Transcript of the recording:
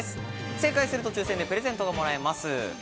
正解すると抽選でプレゼントがもらえます。